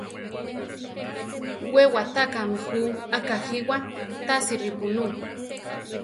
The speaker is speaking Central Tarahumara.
We watákami jú akajíwa, tasi ripunú.